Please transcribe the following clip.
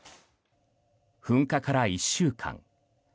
噴火から１週間。